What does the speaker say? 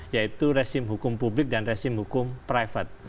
yaitu resim hukum publik dan resim hukum private